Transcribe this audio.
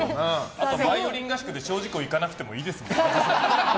あと、バイオリン合宿で精進湖行かなくてもいいですもんね。